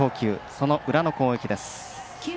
その裏の攻撃です。